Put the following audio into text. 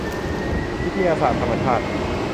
วิทยาศาสตร์ธรรมชาติ